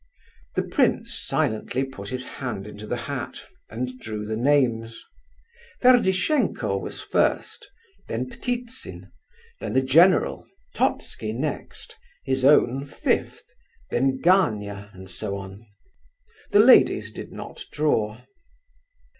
The prince silently put his hand into the hat, and drew the names. Ferdishenko was first, then Ptitsin, then the general, Totski next, his own fifth, then Gania, and so on; the ladies did not draw.